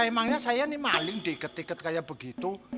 emangnya saya ini maling diketiket kayak begitu